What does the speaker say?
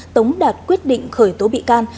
tống đạt quyết định khởi tố bị can